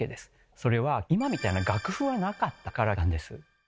それは今みたいな楽譜はなかったからなんです。